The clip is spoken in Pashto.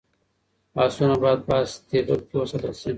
اسونه باید په اصطبل کي وساتل شي.